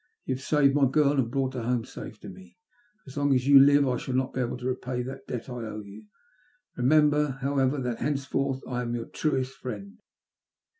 Tou have saved my girl, and brought her home safe to me ; as long as I live I shall not be able to repay the debt I owe you. Bemember, however, that henceforth I am your truest friend."